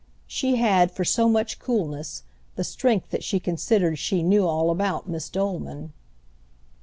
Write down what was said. She had, for so much coolness, the strength that she considered she knew all about Miss Dolman.